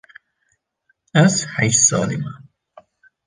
Ez heşt salî me.